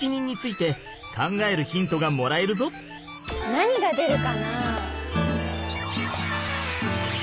何が出るかな。